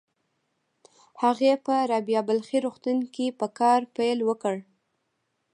هغې په رابعه بلخي روغتون کې په کار پيل وکړ.